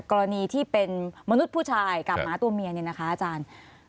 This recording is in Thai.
กรณีที่เป็นมนุษย์ผู้ชายกับหมาตัวเมียเนี่ยนะคะอาจารย์